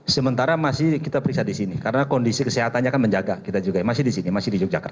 sementara masih kita periksa di sini karena kondisi kesehatannya kan menjaga kita juga masih di sini masih di yogyakarta